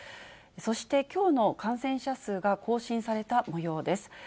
そしてきょうの感染者数が更新されたもようです。